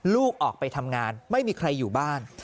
ลูกออกไปทำงานไม่มีใครอยู่บ้าน